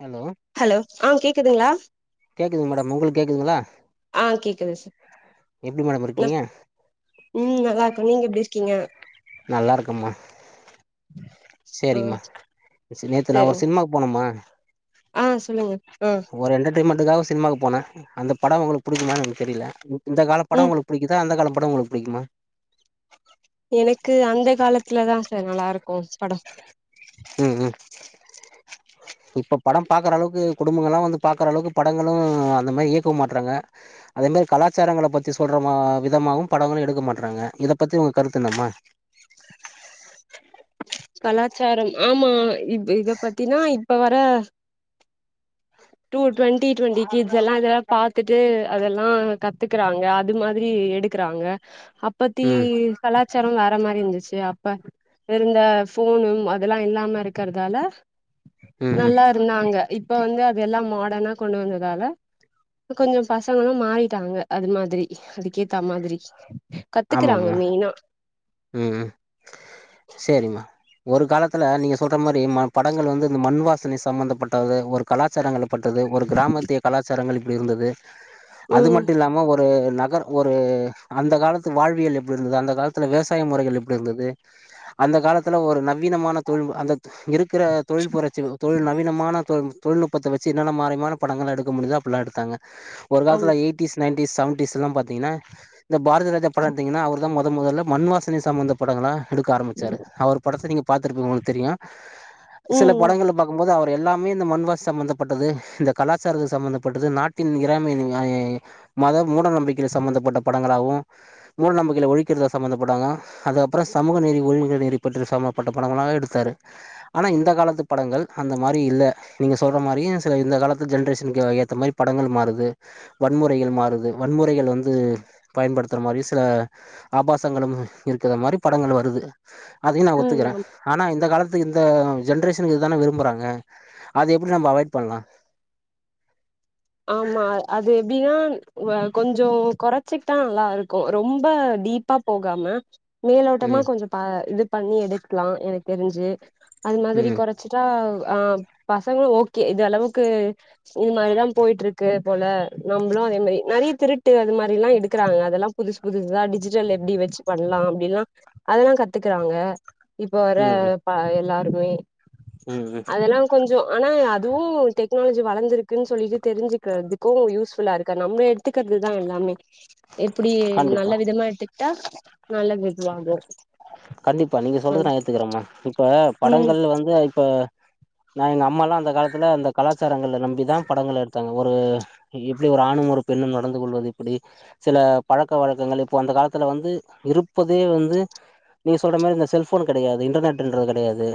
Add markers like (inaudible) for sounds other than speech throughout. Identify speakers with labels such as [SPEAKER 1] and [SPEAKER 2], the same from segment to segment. [SPEAKER 1] Hello
[SPEAKER 2] hello ஆஹ் கேக்குதுங்களா
[SPEAKER 1] கேட்குதுங் மேடம் உங்களுக்கு கேட்குதுங்களா
[SPEAKER 2] ஆ கேக்குது சார்
[SPEAKER 1] எப்டி மேடம் இருக்கீங்க
[SPEAKER 2] உம் நல்லா இருக்க நீங்க எப்படி இருக்கீங்க?
[SPEAKER 1] நல்லா இருக்கம்மா
[SPEAKER 2] ஆ
[SPEAKER 1] சேரிம்மா சே நேத்து நா ஒரு
[SPEAKER 2] சரிங்க
[SPEAKER 1] சினிமாக்கு போனமா
[SPEAKER 2] ஆ சொல்லுங்க ஆ
[SPEAKER 1] ஒரு என்டர்டெயின்மெண்ட்டுக்காக சினிமாவுக்கு போன. அந்த படோ உங்களுக்கு பிடிக்குமான்னு எனக்கு தெரியல இந்த கால படோ
[SPEAKER 2] ம்
[SPEAKER 1] உங்களுக்கு புடிக்குதா அந்த கால படோ உங்களுக்கு புடிக்குமா
[SPEAKER 2] எனக்கு அந்த காலத்துல தா சார் நல்லா இருக்கு படோ
[SPEAKER 1] ம் ம் இப்ப படம் பாக்குற அளவுக்கு குடும்பங்களெல்லா வந்து பாக்குற அளவுக்கு படங்களு அந்த மாதிரி இயக்கவு மாட்றாங்க அதே மாரி கலாச்சாரங்கள பத்தி சொல்ற மா விதமாவு படங்களு எடுக்க மாட்றாங்க இத பத்தி உங்க கருத்து என்னம்மா
[SPEAKER 2] கலாச்சாரம் ஆமா இ இத பத்தினா இப்ப வர டூ டுவெண்டி டுவெண்டி கிட்ஸ் எல்லா இதெல்லா பாத்துட்டு அதெல்லா கத்துக்கறாங்க அது மாதிரி எடுக் கிறாங்க அபத்தி
[SPEAKER 1] ம்
[SPEAKER 2] கலாச்சாரோ வேற மாரி இருந்துச்சு அப்ப இருந்த ஃபோனும் அதெல்லா இல்லாம இருக்கிறதால
[SPEAKER 1] ம் ம்
[SPEAKER 2] நல்லா இருந்தாங்க இப்ப வந்து அதெல்லா மாடனா கொண்டு வந்ததால கொஞ்சோ பசங்களு மாறிட்டாங்க அது மாதிரி அதுக்கேத்தா மாதிரி கத்துக்குறாங்க
[SPEAKER 1] ஆமமா
[SPEAKER 2] மெயினா
[SPEAKER 1] ம் சேரிம்மா ஒரு காலத்துல நீங்க சொல்ற மாதிரி படங்கள் வந்து இந்த மண் வாசனை சம்ம்பந்தப்பட்டது ஒரு கலாச்சாரங்கள் பட்டது ஒரு க்ராமத்திய கலாச்சாரங்கள் இப்டி இருந்தது அது
[SPEAKER 2] ம்
[SPEAKER 1] மட்டு இல்லாம ஒரு ஒரு நகர் ஒரு அந்த காலத்து வாழ்வியல் எப்டி இருந்தது அந்த காலத்துல விவசாய முறைகள் எப்டி இருந்தது அந்த காலத்துல ஒரு நவீனமான தொழில் அந்த இருக்கிற தொழில் புரட்சி தொழில் நவீனமான தொழில் தொழில்நுட்பத்த வச்சு என்னென்ன மாரியமான படங்கள்லா எடுக்க முடிதா அப்புட்ல்லாம் எடுத்தாங்க ஒரு
[SPEAKER 2] ஆமா
[SPEAKER 1] காலத்துல எயிட்டிஸ் நைன்ீஸ் செவன்டீஸ்லாமபாத்திங்கனா இந்த பாரத ரஜ படம் எடுத்திங்கன்னா அவர்தா மொத மொதல்ல மண்வாசனி சம்பந்த படங்களாம் எடுக்க ஆரம்பிச்சார் அவர் படத்த நீங்க பாத்திருப்பிங்க உங்களுக்கு தெரியு சில
[SPEAKER 2] ம்
[SPEAKER 1] படங்க பாக் இருக்கும்போது அவர் எல்லாமே இந்த மண்வாசு சம்பமந்தப்பட்டது இந்த கலாச்சாரத்து சம்பமந்தப்பட்டது நாட்டின் இராமை மத மூட நம்பிக்கைல சம்பந்தப்பட்ட படங்களாவு மூட நம்பிக்கையில ஒழிக்கிறதா சம்பந்தப்பட்டாங்க அதுகப்புற சமூக நீதி உரிமைக நெறி பற்றி சம்பப்பட்ட படங்களா எடுத்தாரு ஆனா இந்த காலத்து படங்கள் அந்த மாதிரி இல்ல நீங்க சொல்ற மாரியு சில இந்த காலத்து ஜென்ரேஷனுக்கு ஏத்த மாதிரி படங்கள் மாறுது வன்முறைகள் மாறுது வன்முறைகள் வந்து பயன்படுத்துற மாரி சில ஆபாசங்களும் இருக்கிற மாதிரி படங்கள் வருது அதையு நா
[SPEAKER 2] ம்
[SPEAKER 1] ஒத்துக்கிறே
[SPEAKER 2] ஆமா
[SPEAKER 1] ஆனா இந்த காலத்துக்கு இந்த ஜென்ரேஷனுக்கு இதுதான விரும்புறாங்க அது எப்படி நம்ம அவாய்ட் பண்ணலா
[SPEAKER 2] ஆமா அது எப்டின்னா கொஞ்சோ கொறச்சிக்கிட்டா நல்லா இருக்கு ரொம்ப டீப் ப்பா போகாம மேலோட்டமா
[SPEAKER 1] ம்
[SPEAKER 2] கொஞ்சோ பா இது பண்ணி எடுக்கலா எனக்கு தெரிஞ்சு அது மாதிரி
[SPEAKER 1] ம்
[SPEAKER 2] கொற சுட்டா ஆ பசங்களு ஓகே இது அளவுக்கு இது மாரிதா போய்ட்டு இருக்கு போல நம்மளு அதே மாரி நெறைய திருட்டு அது மாதிரிலா எடுக்கறாங்க அதெல்லா புதுசு புதுசுதா டிஜிட்டல் எப்டி வச்சு பண்ணலா அப்டின்ல்லாம் அதெல்லா கத்துக்குறாங்க இப்போ வர
[SPEAKER 1] ம்
[SPEAKER 2] எல்லாருமே
[SPEAKER 1] ம் ம் ம்
[SPEAKER 2] அதெல்லா கொஞ்ச ஆனா அதுவு டெக்னாலஜி வளன்சிருக்குன்னு சொல்லிட்டு தெரிஞ்சுக்கிறதுக்கு யூஸ்ஃபுல்லா இருக்க நம்ம எடுத்துக்கிறதுதா எல்லாமே இப்டி நல்ல
[SPEAKER 1] கண்டிப்பா
[SPEAKER 2] விதமா எடுத்துக்கிட்டா நல்ல வி வாங்க ஆ
[SPEAKER 1] கத்துக்கிறோமா இப்ப படங்கள் வந்து இப்ப நான் எங்க அம்மாலா அந்த காலத்துல அந்த கலாச்சாரங்கள நம்பிதா படங்கள் எடுத்தாங்க ஒரு எப்டி ஒரு ஆணும் ஒரு பெண்ணும் நடந்து கொள்வது எப்டி சில பழக்க வழக்கங்கள் இப்போ அந்த காலத்துல வந்து இரு இப்போதே வந்து நீங்க சொல்ற மாரி இந்த செல்ஃபோன் கெடையாது இன்டர்நெட்ன்றது கெடையாது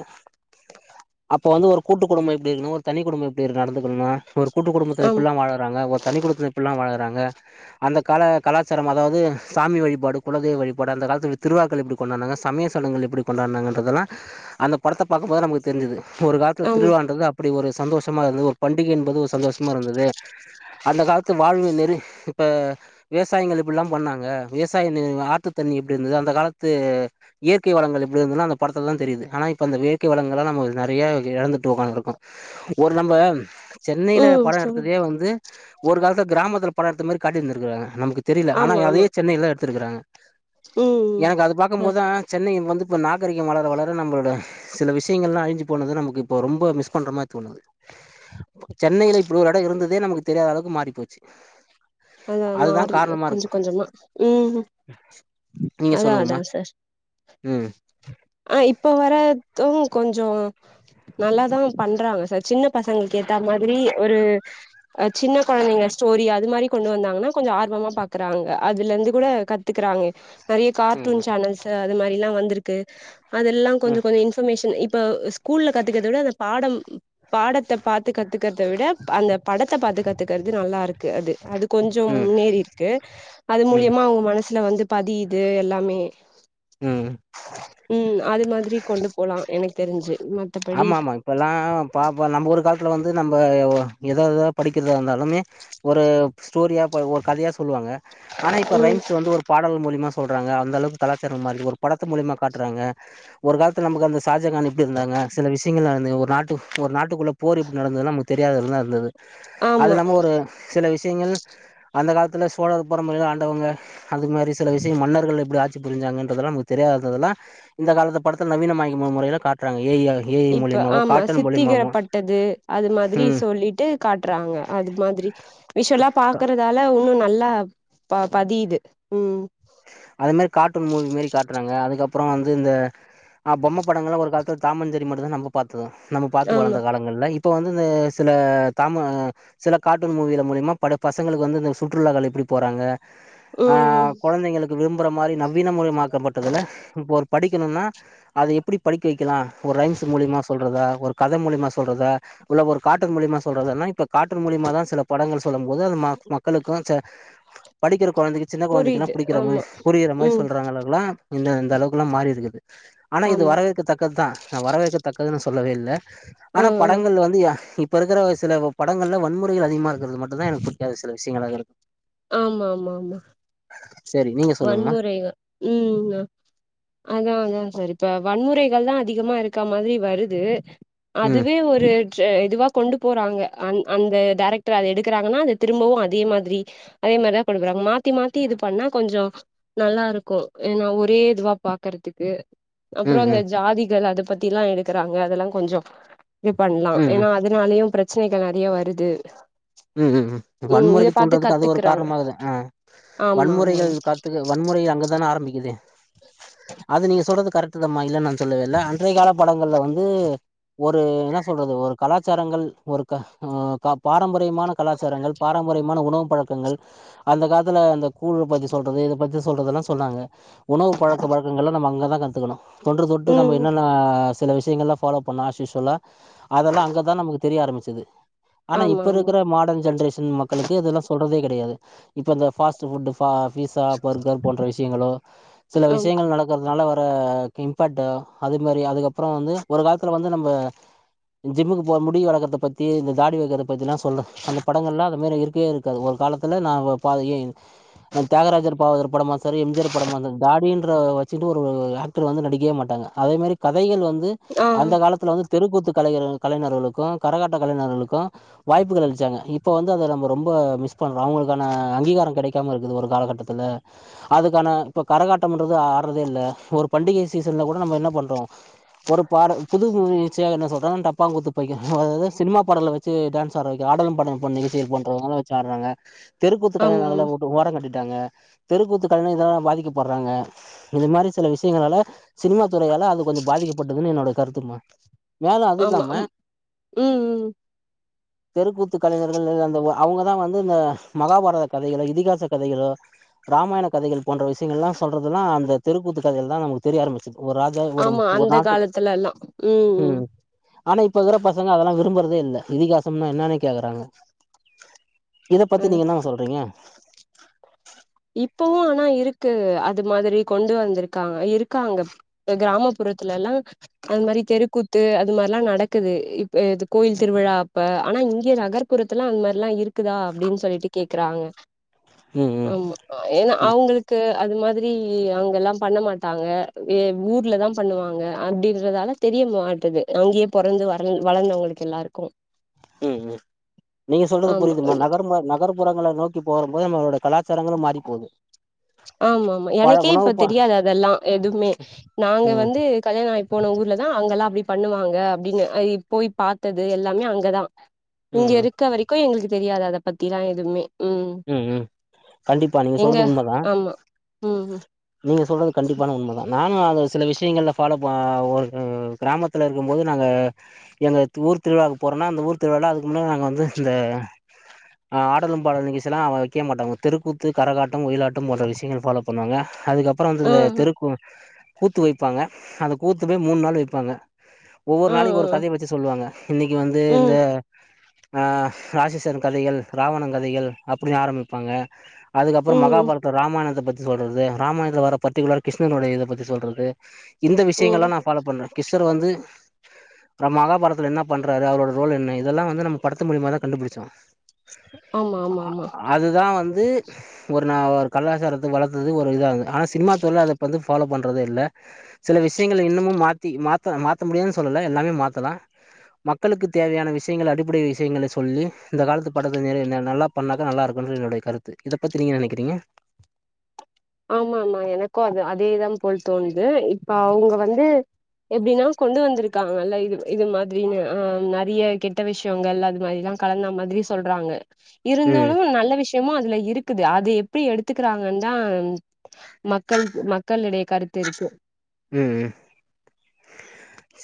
[SPEAKER 1] அப்ப வந்து ஒரு கூட்டு குடும்ப எப்டி இருக்கு ஒரு தனி குடும்ப எப்டி இரு நடந்துக்கணும் ஒரு கூட்டு குடும்பத்துல
[SPEAKER 2] ஆமா
[SPEAKER 1] எப்புல்லா வாழ்றாங்க தனி குடுத்தத்துப்பலா வாழறாங்க அந்த கால கலாச்சார அதாது சாமி வழிபாடு குலதெய் வழிபா பட் அந்த காலத்துல திரு வ்ழாக்கள் எப்டி கொண்டானாங்க சமய சடங்குக எப்டி கொண்டானாங்கன்றதலா அந்த படத்த பாக்கம்போது நமக்கு தெரிஞ்சுது ஒரு காலத்துல
[SPEAKER 2] ஆமா
[SPEAKER 1] திருவிழான்றது அப்டி ஒரு சந்தோஷமா இருந்தது ஒரு பண்டிக என்பது ஒரு சந்தோஷமா இருந்தது அந்த காலத்து வாழ்வு நெறி இப்ப விவசாயங்கள் இப்புட்லா பண்ணாங்க விவசாய ஆற்று தண்ணி எப்டி இருந்தது அந்த காலத்து இயற்கை வளங்கள் எப்டி இருந்ததுன் அந்த படத்தலதா தெரிது ஆனா இப்ப அந்த இயற்கை வளங்களலா நம்ம நெறைய எழந்துட்டு ஒக்காந்ருக்கோ ஒரு நம்ப சென்னைல
[SPEAKER 2] ம்
[SPEAKER 1] பட
[SPEAKER 2] சொல்லு
[SPEAKER 1] எடுத்ததையே வந்து ஒரு காலத்துல க்ராமத்துல பட எடுத்த மாரி காட்டிருந்திருக்கிறாங்க நமக்கு தெரில ஆனா
[SPEAKER 2] ஆமா ஆமா
[SPEAKER 1] அதையே சென்னைலதா எடுத்துருக்கறாங்க
[SPEAKER 2] ம்
[SPEAKER 1] எனக்கு அது
[SPEAKER 2] அ
[SPEAKER 1] பாக்கும்போதா சென்னை வந்து இப்ப நாகரிகம் வரை வளர நம்ளோட சில விஷயங்கள்லா அழிஞ்சு போனத நமக்கு இப்ப ரொம்ப மிஸ் பண்ற மாரி தோணுது சென்னையில இப்படி ஒரு இடம் இருந்ததே நமக்கு தெரியாத அளவுக்கு மாறிப்போச்சு
[SPEAKER 2] அ மாறி கொஞ்ச கொஞ்சமா ம்
[SPEAKER 1] நீங்க
[SPEAKER 2] அதா அதா
[SPEAKER 1] சொல்லுங்கம்மா
[SPEAKER 2] சார்
[SPEAKER 1] ம்
[SPEAKER 2] ஆ இப்ப வரது கொஞ்சோ நல்லாதா பண்றாங்க சார் சின்ன பசங்களுக்கேத்தா மாதிரி ஒரு அ சின்ன கொழந்தைங்க ஸ்டோரி அது மாதிரி கொண்டு வந்தாங்கன்னா கொஞ்சம் ஆர்வமா பாக்குறாங்க அதுலருந்து கூட கத்துக்குறாங்க நறைய கார்ட்டூன்
[SPEAKER 1] ம்
[SPEAKER 2] சேனல்ஸ் த அது மாரிலா வந்துருக்கு அதெல்லா கொஞ்சோ
[SPEAKER 1] ம்
[SPEAKER 2] கொஞ்ச இன்ஃபர்மேஷன் இப்ப ஸ்கூல்ல கத்துக்கரத விட அந்த பாடோ பாடத்த பாத்து கத்துக்கறத விட அந்த படத்த பாத்து கத்துக்கறது நல்லாருக்கு அது அது கொஞ்சோ
[SPEAKER 1] ம்
[SPEAKER 2] முன்னேறிருக்கு அது
[SPEAKER 1] ம்
[SPEAKER 2] மூலியமா அவங்க மனசுல வந்து பதியுது எல்லாமே
[SPEAKER 1] ம்
[SPEAKER 2] ம் அது மாதிரி கொண்டு போலா எனக் தெருஞ்சு
[SPEAKER 1] ஆமா ஆமாங் இப்போல்லா பாப்ப நம்ம ஒரு காலத்துல் வந்து நம்ப ஏதோ எதோ படிக்கிறது இருந்தாலுமே ஒரு ஸ்டோரியா ஒரு கதையா சொல்லுவாங்க ஆனா இப்ப
[SPEAKER 2] ம்
[SPEAKER 1] ரைம்ஸ் வந்து ஒரு பாடல் மூலிமா சொல்றாங்க அந்தளவு கலாச்சார மாறுது ஒரு படத்த மூலிமா காட்றாங்க ஒரு காலத்து நமக்கு அந்த சாஜகான் எப்டி இருந்தாங்க சில விஷயங்கள்லா நடந்து ஒரு நாட்டு ஒரு நாட்டுக்குள்ள போர் எப்டி நடந்ததுலா நமக்கு தெரியாததுலா இருந்தது
[SPEAKER 2] ஆமா
[SPEAKER 1] அது இல்லாம ஒரு சில விஷயங்கள் அந்த காலத்துல சோழர் பறம்பறைங்க ஆண்டவங்க அது மாரி சில விஷயங் மன்னர்கள் எப்டி ஆட் சி புரிஞ்சாங்கன்றதெல்லா நமக்கு தெரியாததெல்லா இந்த காலத்த படத்த நவீனமாக முறைல காட்றாங்க ஏ ஐ ஏ ஐ
[SPEAKER 2] இப்ப
[SPEAKER 1] மூலியமாவோ
[SPEAKER 2] ஆமா
[SPEAKER 1] கார்ட்டூன் மூலியமாவோ
[SPEAKER 2] சித்திகரப்பட்டது அது மாதிரி
[SPEAKER 1] ம்
[SPEAKER 2] சொல்லிட்டு காட்டுறாங்க அது மாதிரி விஷ்வல்லா பாக்றதால ஒன்னு நல்லா ப பதியுது ம்
[SPEAKER 1] அதே மாரி கார்ட்டூன் மூவிமாரி காட்றாங்க அதுக்கப்றோ வந்து இந்த பொம்ம படங்கள்லா ஒரு காலத் டாமன் செரி மட்டுதா நம்ப பாத்தோ நம்ம பாத்து
[SPEAKER 2] ஆமா
[SPEAKER 1] வளந்த கால ங்கல்ல இப்ப வந்து இந்த சில தாம சில கார்ட்டூன் மூவில மூலியமா பல பசங்ளுக்கு வந்து இந்த சுற்றுலாகள் எப்டி போறாங்க ஆ
[SPEAKER 2] ம் ம்
[SPEAKER 1] கொழந்தைங்களுக்கு விரும்புறமாரி நவீன முரையமாக்கப்பட்டதுல இப்போ ஒரு படிக்கணுன்னா அத எப்டி படிக்க வெக்லா ஒரு ரைம்ஸ் மூலியமா சொல்றதா ஒரு கத மூலியமா சொல்றதா உள்ள ஒரு கார்டூன் மூலியமா சொல்றதுன்னா இப்ப கார்டூன் மூலியமாதா சில படங்கள் சொல்லும்போது அது ம மக்களுக்கு ச படிக்குற கொழுந்தக்கு சின்ன கொழந்தைக்குல்லா
[SPEAKER 2] புரியுது
[SPEAKER 1] புடிக்கிறமாரி
[SPEAKER 2] ஆமா
[SPEAKER 1] புரியிறமாரி
[SPEAKER 2] ம்
[SPEAKER 1] சொல்றாங்க எல்லாரு லா இந்தந்த அளவுக்குல்லா மாறிருக்குது ஆனா இது
[SPEAKER 2] ஆமா
[SPEAKER 1] வரவேற்கத்தக்கதா வரவேற்க தக்கதுன் நா சொல்லவே இல்ல
[SPEAKER 2] ஆ
[SPEAKER 1] ஆனா
[SPEAKER 2] ஆ
[SPEAKER 1] படங்கள் வந்து யா இப் இப்பருக்குற சில படங்கள்ல வன்முறைகள் அதிகமா இருக்றது மட்டுதா எனக்கு புடிக்காத சில விஷயங்களாருக்
[SPEAKER 2] ஆமா ஆமா ஆமா
[SPEAKER 1] சரி நீங்க சொல்லுங்கமா
[SPEAKER 2] வன்முறைங்க ம்ங்க அதா அதா சார் இப்ப வன்முறைகள்தா அதிகமா இருக்கமாரி வருது
[SPEAKER 1] ம்
[SPEAKER 2] அதுவே ஒரு கே இதுவா கொண்டு போறாங்க அந் அந்த டேரக்டர் அத எடுக்றாங்கனா அத திரும்பவு அதே மாதிரி அதேமாரிதா குடுக்குறாங்க மாத்தி மாத்தி இது பண்ணா கொஞ்சோ நல்லாருக்கு எனா ஒரே இதுவா பாக்கறதுக்கு அப்றோ
[SPEAKER 1] ம்
[SPEAKER 2] அந்த
[SPEAKER 1] ம்
[SPEAKER 2] ஜாதிகள் அத பத்தில்லா எடுக்றாங்க அதெல்லா கொஞ்சோ இது பண்ணலா
[SPEAKER 1] ம் ம்
[SPEAKER 2] எனா அதுனாலயு ப்ரச்சனைகள் நறைய வருது
[SPEAKER 1] ம் ம் ம்
[SPEAKER 2] இத
[SPEAKER 1] வன்முறைக்கு
[SPEAKER 2] பாத்து
[SPEAKER 1] தூன்றதுக் அது ஒரு
[SPEAKER 2] கத்துக்குறாங்க
[SPEAKER 1] காரணமாகுது ம்
[SPEAKER 2] ஆமா
[SPEAKER 1] வன்முறைகள் காத்துக்கு வன்முறை அங்கதான ஆரம்பிக்குது அது நீங்க சொல்றது கரெக்ட் ந்தமா இல்லன் நா சொல்லவே இல்ல அன்றைய கால படங்கள்ல வந்து ஒரு என்ன சொல்றது ஒரு கலாச்சாரங்கள் ஒரு க பாரம்ப மான கலாச்சாரங்கள் பாரம்பரியமான உணவு பழக்கங்கள் அந்த காலத்துல அந்த கூழ்லு பத்தி சொல்றது இத பத்தி சொல்றதெல்லா சொன்னாங்க உணவு பழக்க வழக்கங்கள்லா நம்ம அங்கதா கத்துக்கணு தொன்று தொட்டு நம்ம என்னென்ன சில விஷயங்கள்லா ஃபலோ பண்ணா ஆஸ்யூஸ்வல்லா அதெல்லா அங்கதா நமக்கு தெரிய ஆரம்பிச்சது ஆனா
[SPEAKER 2] ஆமா
[SPEAKER 1] இப்
[SPEAKER 2] ஆமா
[SPEAKER 1] ப மாடர்ன் ஜென்ரேஷன் மக்களுக்கு இதெல்லா சொல்றதே கெடையாது இப்ப இந்த பாஸ்ட் ஃபுட்டு பா பீசா பர்கர் போன்ற விஷ்யங்களோ சில
[SPEAKER 2] ம்
[SPEAKER 1] விஷ்யங்கள் நடக் அதனால வர இம்பேட்டு அது மாரி அதுக்கப்றோ வந்து ஒரு காலத்துல வந்து நம்ம ஜிம்முக்கு போற முடி வளக்கறத்த பத்தி இந்த தாடி வெக்கற பத்திலா சொல்ற அந்த படங்கள்ல்லா அது மாரி இருக்கவே இருக்காது ஒரு காலத்துல நா வ பா ஏ தியாகராஜர் பாகாவதரு படம்மா செரி எம் ஜி ஆர் படமா அந்த தாடின்ற வெச்சிட்டு ஒரு ஆக்டர் வந்து நடிக்கவே மாட்டாங்க அதேமாரி கதைகள் வந்து
[SPEAKER 2] ஆமா ஆமா ம் ஆ
[SPEAKER 1] அந்த காலத்துல வந்து தெருக்கூத்து கலைஞரு கலைஞர்களுக்கு கரகாட்ட கலைஞர்களுக்கு வாய்ப்புகள் அளிச்சாங்க இப்போ வந்து அத நம்ம ரொம்ப மிஸ் பண்றோ அவுங்களுக்கான அ அங்கீகாரம் கெடைக்காம இருக்குது ஒரு காலக்கட்டத்தில அதுக்கான இப்போ கரகாட்டம்ன்றது ஆ ஆடுறதே இல்ல ஒரு பண்டிகை சீசன்ல கூட நம்ம என்ன பண்றோ ஒரு பாட புது புதுச்சியா என்ன சொல்றே டப்பாங்குத்து பையே அதாவ்து சினிமா பாடல்ல வெச் சு டேன்ஸ் ஆட வெக்கிறா ஆடலும் பாடலும் பொன் நிகழ்ச்சியில் போன்ற ஆள வெச்சு ஆட்றாங்க தெருகூத்து
[SPEAKER 2] ஆமா
[SPEAKER 1] கலைஞர்கள்லா
[SPEAKER 2] ஆமா
[SPEAKER 1] ஓரங்கட்டிட்டாங்க தெருக்கூத்துகள் கலைஞர்கள்லா இதலா பாதிக்கப்பட்றாங்க இது மாரி சில விஷயங்களால சினிமா துறையால அது கொஞ்சோ பாதிக்கப்பட்டதுன்னு என்னோட கருத்துமா மேலு அது
[SPEAKER 2] ஆமா
[SPEAKER 1] இல்லாம
[SPEAKER 2] அம் ம் ம்
[SPEAKER 1] தெருக்கூத்து கலைஞர்கள் அந்த அவுங்கதா வந்து இந்த மகாபாரத கதைகளோ இதிகாச கதைகளோ ராமாயண கதைகள் போன்ற விஷயங்கள்லா சொல்றதுல்லா அந்த தெருக்கூத்து கதைகள் தா நமக்கு தெரிய ஆரம்பிச்சுது ஒரு ரா ஜா ஒரு
[SPEAKER 2] ஆமா
[SPEAKER 1] ஒரு
[SPEAKER 2] அந்த
[SPEAKER 1] நாட்டுக்
[SPEAKER 2] காலத்துலல்லா
[SPEAKER 1] ம் ஆனா இப்பருக்கற பசங்க அதெல்லா விரும்புறதே இல்ல இதிகாசம்னா என்னன்னே கேக்குறாங்க இத
[SPEAKER 2] அ
[SPEAKER 1] பத்தி நீங்க என்னம்மா சொல்றீங்க
[SPEAKER 2] இப்பவு ஆனா இருக்கு அது மாதிரி கொண்டு வந்துருக்காங்க இருக்காங்க கிராமப்புறத்துலல்லா அந்மாரி தெருக்கூத்து அது மார்ல்லா நடக்குது இப்ப இது கோயில் திருவிழா அப்ப ஆனா இங்கியே நகர் புறத்தெல்லா அந்மாரில்லா இருக்குதா அப்டின் சொல்லிட்டு கேக்குறாங்க
[SPEAKER 1] ம் ம்
[SPEAKER 2] ஆமா ஏனா அவுங்களுக்கு அது மாதிரி அவுங்கல்லா பண்ண மாட்டாங்க ஏ ஊர்லதா பண்ணுவாங்க அப்டின்றதால தெரிய மாட்டது அங்கேயே பொறந்து வ வளந்தவங்களுக்கு எல்லாருக்கு
[SPEAKER 1] ம் ம் நீங்க சொல்றது
[SPEAKER 2] ஆமா
[SPEAKER 1] புரிய்துமா நகர்மா நகர் புறங்கள நோக்கி போறம்போது நம்மளோட கலாச்சாரங்களும் மாரி போது
[SPEAKER 2] ஆமாமா எனக்கே இப்ப தெரியாது அதெல்லா எதுமே நாங்க
[SPEAKER 1] ம்
[SPEAKER 2] வந்து கல்யாணாயி போன ஊர்ல தா அங்கெல்லா அப்டி பண்ணுவாங்க அப்படின்னு அதியி போய் பாத்தது எல்லாமே அங்கதா
[SPEAKER 1] ம் ம்
[SPEAKER 2] இங்கருக்க வரைக்கு எங்களுக்கு தெரியாது அத பத்திலா எதுமே
[SPEAKER 1] ம் ம் கண்டிப்பா நீங்க
[SPEAKER 2] எங்க
[SPEAKER 1] சொல்றது உண்ம தா
[SPEAKER 2] ஆமா ம் ம்
[SPEAKER 1] நீங்க சொல்றது கண்டிப்பான உண்ம தா நானு அது சில விஷயங்கள்ல ஃபாலோ பா ஒரு கிராமத் துல இருக்கும் போது நாங்க எங்க ஊர் திருவிழாக்கு போறோன்னா அந்த ஊர் திருவிழால அதுக் முன்ன நாங்க வந்து இந்த அ ஆடலும் பாடலு நிகழ்ச்சில்லா அவ்ளா வெக்க மாட்டாங்க தெருக்கூத்து கரகாட்டம் ஒயிலாட்டம் போன்ற விஷயங்கள் பாலோ பண்ணுவாங்க அதுக்கப்பறோ வந்து
[SPEAKER 2] ஆ
[SPEAKER 1] இந்த தெருக்கு கூத்து வெய்ப்பாங்க அந்த கூத்து போய் மூன் நாள் வெய்ப்பாங்க ஒவ்வொரு
[SPEAKER 2] ஆ ஆ
[SPEAKER 1] நாளைக்கு ஒரு
[SPEAKER 2] ஆ.
[SPEAKER 1] கதைய பத்தி சொல்லுவாங்க இன்னைக்கு வந்து இந்த
[SPEAKER 2] ம்
[SPEAKER 1] அ ராட்சசன் கதைகள் ராவணன் கதைகள் அப்டின் ஆரம்பமிப்பாங்க அதுக்கப்பறம்
[SPEAKER 2] ம் ம்
[SPEAKER 1] மகாபார ராமாயணத்த பத்தி சொல்றது ராமாயணத்துல வர்ற பர்டிகுலர் கிருஷ்ணனுடைய இத பத்தி சொல்றது இந்த
[SPEAKER 2] ம்.
[SPEAKER 1] விஷயங்கள்லா நா ஃபாலோ பண்றே கிஷ்ஷர் வந்து நம் மகாபாரத்துல என்ன பண்றாரு அவரோட ரோல் என்ன இதெல்லா வந்து நம்ம படத்து மூலியமா தா கண்டுபிடிச்சோ
[SPEAKER 2] ஆமா ஆமா ஆமா
[SPEAKER 1] அது தா வந்து ஒரு நா ஒரு கலாச்சாரத்த வளத்தது ஒரு இதாககு ஆனா சினிமா தொர்ல அத இப்போ வந்து ஃபாலோ பண்ணுறதே இல்ல சில விஷயங்க இன்னமு மாத்தி மாத்த மாத்த முடியாதுன்னனு சொல்லல எல்லாமே மாத்தலா மக்களுக்கு தேவையான விஷயங்கள் அடிப்படை விஷயங்களை சொல்லி இந்த காலத்து படத்தை நிற நல்லா பண்ணாதா நல்லாருக்கு என்னுடைய கருத்து இத பத்த நீங்க நெனைக்கிறீங்க
[SPEAKER 2] ஆமா ஆமா எனக்கு அது அதேதா போல் தோணுது இப்ப அவங்க வந்து எப்டின்னா கொண்டு வந்திருக்காங்கல்ல இது இது மாதிரின்னு ஆ நெறைய கெட்ட விஷயங்கள் அது மாரிலா கலந்தா மாதிரி சொல்றாங்க
[SPEAKER 1] ம்
[SPEAKER 2] இருந்தாலு நல்ல விஷயமு அதுல இருக்குது அது எப்டி எடுத்துக்கிறாங்க தா மக்கள் மக்களிடையே கருத்து இருக்கு
[SPEAKER 1] ம்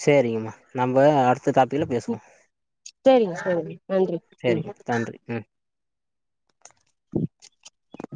[SPEAKER 1] சரிங்கம்மா நம்ம அடுத்த டாப்பிக்ல பேசுவோ
[SPEAKER 2] சரிங்க சரிங்க நன்றி ம்
[SPEAKER 1] சேரிங்க நன்றி ம்
[SPEAKER 2] (inaudible)